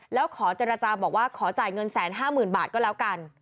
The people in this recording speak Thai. แล้วขอเจรจาบอกว่าขอจ่ายเงิน๑๕๐๐๐บาทก็แล้วกัน